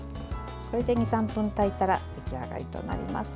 これで２３分炊いたら出来上がりとなります。